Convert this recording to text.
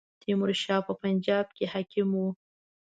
تیمور شاه په پنجاب کې حاکم وو.